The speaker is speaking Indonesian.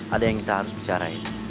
ada yang kita harus bicarain